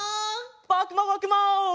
ぼくもぼくも！